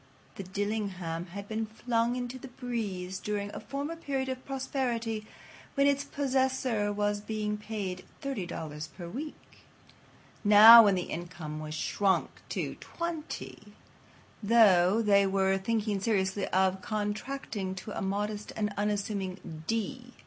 The "Dillingham" had been flung to the breeze during a former period of prosperity when its possessor was being paid $30 per week. Now, when the income was shrunk to $20, though, they were thinking seriously of contracting to a modest and unassuming D.